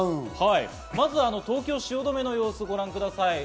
まず東京・汐留の様子をご覧ください。